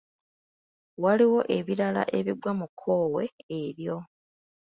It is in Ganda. Waliwo ebirala ebigwa mu kkowe eryo.